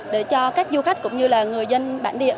để cho các du khách cũng như là người dân bản địa